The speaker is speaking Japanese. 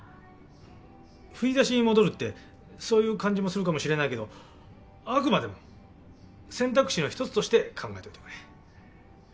振り出しに戻るってそういう感じもするかもしれないけどあくまでも選択肢の１つとして考えといてくれ。